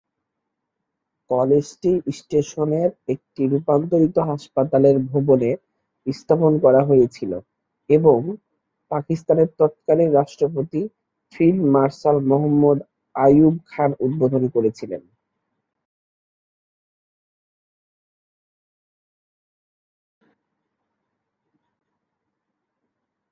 কলেজটি স্টেশনের একটি রূপান্তরিত হাসপাতালের ভবনে স্থাপন করা হয়েছিল এবং পাকিস্তানের তৎকালীন রাষ্ট্রপতি ফিল্ড মার্শাল মুহাম্মদ আইয়ুব খান উদ্বোধন করেছিলেন।